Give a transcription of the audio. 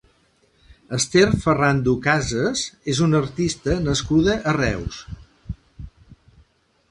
Ester Ferrando Casas és una artista nascuda a Reus.